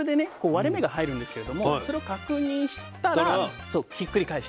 割れ目が入るんですけれどもそれを確認したらひっくり返して。